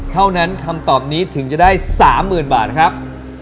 เท่านั้นคำตอบนี้ถึงจะได้๓๐๐๐๐บาทนะครับ